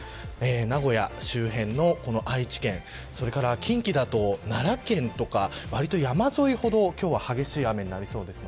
名古屋周辺の愛知県近畿だと奈良県とか山沿いほど今日は激しい雨になりそうです。